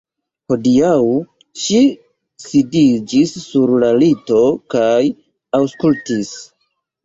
Hodiaŭ ŝi sidiĝis sur la lito kaj aŭskultis.